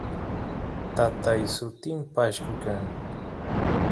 tatay sutin pashku kan